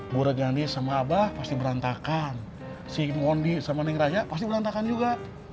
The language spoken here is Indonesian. bureng ganis sama abah pasti berantakan si mondi sama neng raya pasti berantakan juga